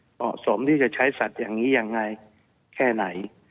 เหมาะสมที่จะใช้สัตว์อย่างนี้ยังไงแค่ไหน